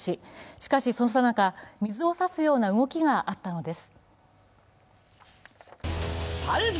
しかし、その最中、水を差すような動きがあったのです。